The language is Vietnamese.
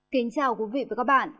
kính chào quý vị và các bạn